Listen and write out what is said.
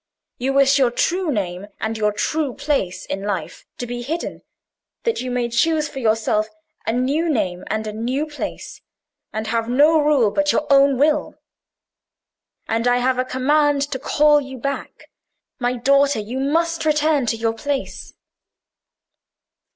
You wish your true name and your true place in life to be hidden, that you may choose for yourself a new name and a new place, and have no rule but your own will. And I have a command to call you back. My daughter, you must return to your place."